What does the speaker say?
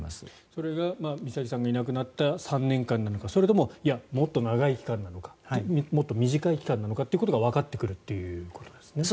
それが美咲さんがいなくなった３年間なのかそれとももっと長い期間なのかもっと短い期間なのかということがわかってくるということですね。